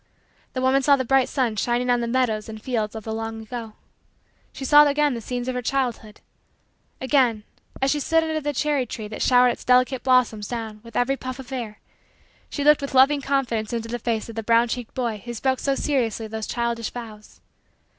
The woman saw the bright sun shining on the meadows and fields of the long ago. She saw again the scenes of her childhood. Again, as she stood under the cherry tree that showered its delicate blossoms down with every puff of air, she looked with loving confidence into the face of the brown cheeked boy who spoke so seriously those childish vows.